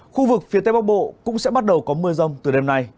khu vực phía tây bắc bộ cũng sẽ bắt đầu có mưa rông từ đêm nay